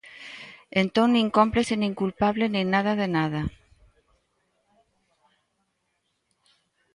Entón, nin cómplice nin culpable nin nada de nada.